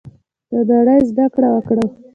له نړۍ زده کړه وکړو.